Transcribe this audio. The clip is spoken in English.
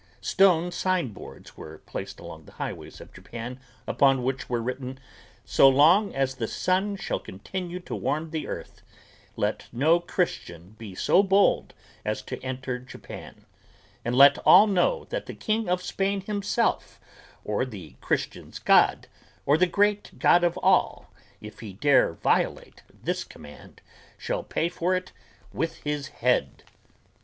Stone signboards were placed along the highways of Japan upon which were written: "So long as the sun shall continue to warm the earth, let no Christian be so bold as to enter Japan; and let all know that the King of Spain himself, or the Christian's God, or the great God of all, if he dare violate this command, shall pay for it with his head."